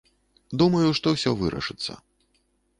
Думаю, што ўсё вырашыцца.